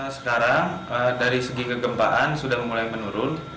sekarang dari segi kegempaan sudah mulai menurun